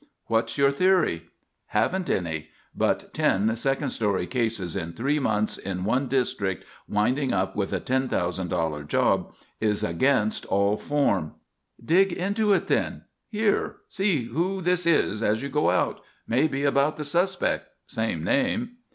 "What's your theory?" "Haven't any. But ten 'second story' cases in three months in one district winding up with a $10,000 job is against all form." "Dig into it then. Here, see who this is as you go out. May be about the suspect. Same name."